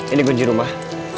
ini kunci rumah